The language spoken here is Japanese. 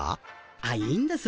あっいいんです。